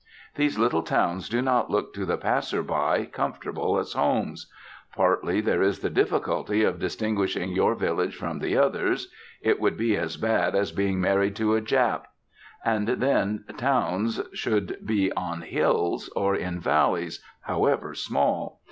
These little towns do not look to the passer by comfortable as homes. Partly, there is the difficulty of distinguishing your village from the others. It would be as bad as being married to a Jap. And then towns should be on hills or in valleys, however small.